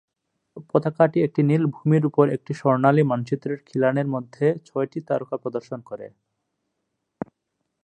পতাকাটি একটা নীল ভূমির উপর একটি স্বর্ণালী মানচিত্রের খিলানের মধ্যে ছয়টি তারকা প্রদর্শন করে।